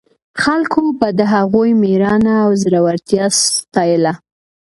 خلکو به د هغوی مېړانه او زړورتیا ستایله.